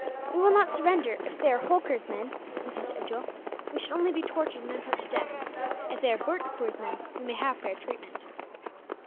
] "We will not surrender, if they are Holkar's men," he said to Abdool. "We should only be tortured, and then put to death. If they are Bhurtpoor's men, we may have fair treatment."